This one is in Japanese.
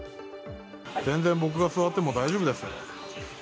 全然、僕が座っても大丈夫です。